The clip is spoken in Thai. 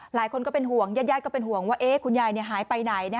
หลายคนก็เป็นห่วงญาติก็เป็นห่วงว่าคุณยายหายไปไหน